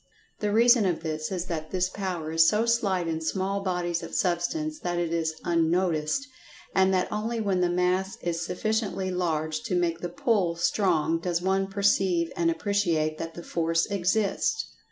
The reason of this is that this power is so slight in small bodies of Substance that it is unnoticed; and that only when the mass is sufficiently large to make the "pull" strong does one perceive and appreciate that the force exists.